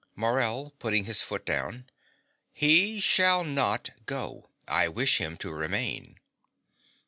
MORELL (putting his foot down). He shall not go. I wish him to remain.